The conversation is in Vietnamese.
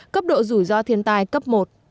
cấp độ rủi ro thiên tài cấp một